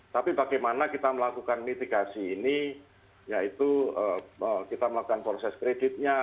tapi bagaimana kita melakukan mitigasi ini yaitu kita melakukan proses kreditnya